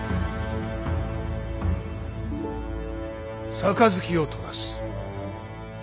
杯を取らす。